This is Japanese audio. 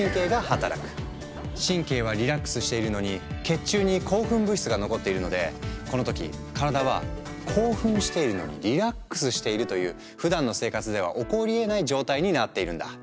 神経はリラックスしているのに血中に興奮物質が残っているのでこの時体は「興奮しているのにリラックスしている」というふだんの生活では起こりえない状態になっているんだ。